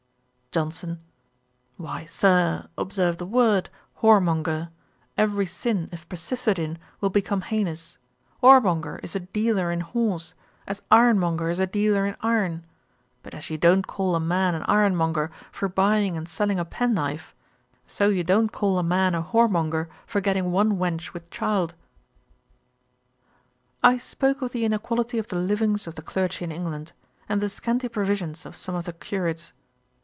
JOHNSON. 'Why, Sir, observe the word whoremonger. Every sin, if persisted in, will become heinous. Whoremonger is a dealer in whores, as ironmonger is a dealer in iron. But as you don't call a man an ironmonger for buying and selling a pen knife; so you don't call a man a whoremonger for getting one wench with child.' I spoke of the inequality of the livings of the clergy in England, and the scanty provisions of some of the Curates.